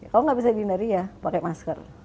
kalau nggak bisa dihindari ya pakai masker